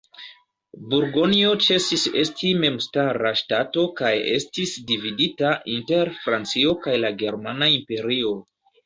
Burgonjo ĉesis esti memstara ŝtato kaj estis dividita inter Francio kaj la germana imperio.